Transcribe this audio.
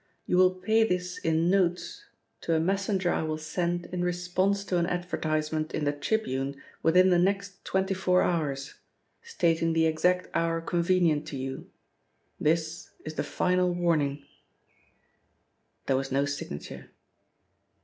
You will pay this in notes to a messenger I will send in response to an advertisement in the Tribune within the next twenty four hours, stating the exact hour convenient to you. This is the final warning." There was no signature.